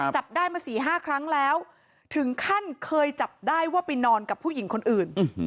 จับได้มา๔๕ครั้งแล้วถึงขั้นเคยจับได้ว่าไปนอนกับผู้หญิงคนอื่น